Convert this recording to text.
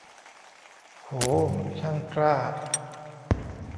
โห ช่างกล้า